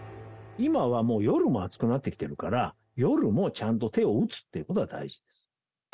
今はもう夜も暑くなってきてるから、夜もちゃんと手を打つってことが大事です。